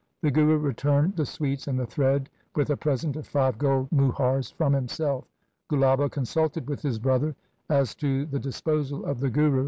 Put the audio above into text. The Guru returned the sweets and the thread with a present of five gold muhars from himself. Gulaba consulted with his brother as to the disposal of the Guru.